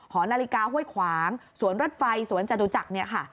หอนาฬิกาห้วยขวางสวนรถไฟสวนจตุจักรเนี่ยค่ะ